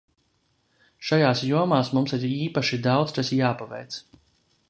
Šajās jomās mums ir īpaši daudz kas jāpaveic.